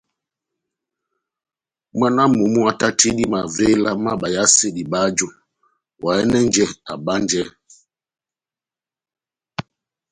Mwána wa momó átátidi mavéla má bayasedi báju, oháyɛnɛjɛ abánjɛ,